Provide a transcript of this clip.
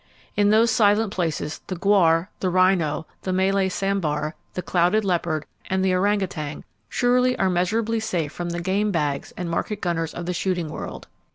In those silent places the gaur, the rhino, the Malay sambar, the clouded leopard and the orang utan surely are measurably safe from the game bags and market gunners of the shooting world.